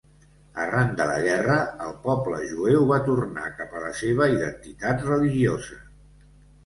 Arran de la guerra, el poble jueu va tornar cap a la seva identitat religiosa.